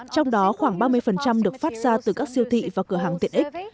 trong đó khoảng ba mươi được phát ra từ các siêu thị và cửa hàng tiện ích